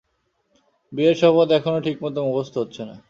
বিয়ের শপথ এখনো ঠিকমতো মুখস্থ হচ্ছে না।